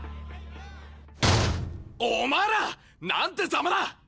お前ら！なんてザマだ！